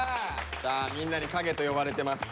さあみんなに「かげ」と呼ばれてます。